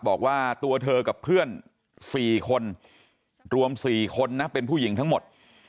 บอกว่าตัวเธอกับเพื่อน๔คนรวม๔คนนะเป็นผู้หญิงทั้งหมด